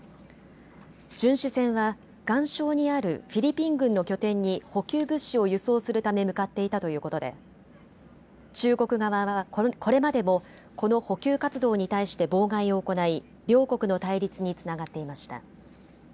巡視船は岩礁にあるフィリピン軍の拠点に補給物資を輸送するため向かっていたということで中国側はこれまでもこの補給活動に対して妨害を行い両国の対立につながっていました。